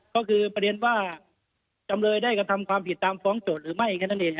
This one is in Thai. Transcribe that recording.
ก็คือประเด็นว่าจำเลยได้กระทำความผิดตามฟ้องโจทย์หรือไม่แค่นั้นเอง